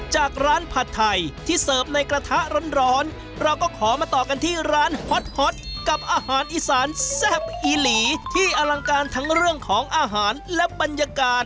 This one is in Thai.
จากร้านผัดไทยที่เสิร์ฟในกระทะร้อนเราก็ขอมาต่อกันที่ร้านฮอตกับอาหารอีสานแซ่บอีหลีที่อลังการทั้งเรื่องของอาหารและบรรยากาศ